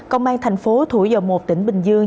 công an thành phố thủ dầu một tỉnh bình dương